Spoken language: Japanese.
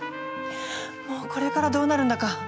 もうこれからどうなるんだか。